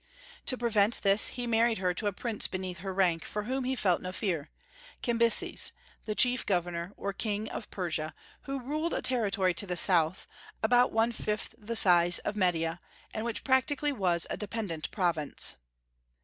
To prevent this, he married her to a prince beneath her rank, for whom he felt no fear, Cambyses, the chief governor or king of Persia, who ruled a territory to the South, about one fifth the size of Media, and which practically was a dependent province.